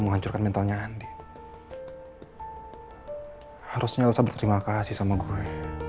harusnya elsa berterima kasih sama gue